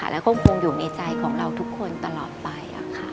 แล้วก็คงอยู่ในใจของเราทุกคนตลอดไป